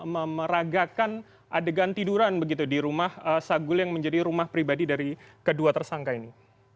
memeragakan adegan tiduran begitu di rumah sagul yang menjadi rumah pribadi dari kedua tersangka ini